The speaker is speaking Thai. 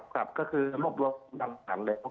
กฎก็คือร่วมบันดาลเนาะ